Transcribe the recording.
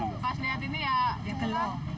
pas lihat ini ya kecewa